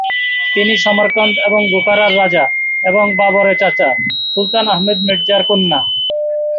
তিনি সমরকন্দ এবং বুখারার রাজা এবং বাবরের চাচা "সুলতান আহমেদ মির্জা"র কন্যা।